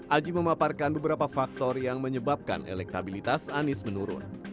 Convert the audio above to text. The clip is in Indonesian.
aji memaparkan beberapa faktor yang menyebabkan elektabilitas anies menurun